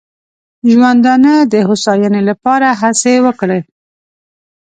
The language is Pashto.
ژوندانه د هوساینې لپاره هڅې وکړي.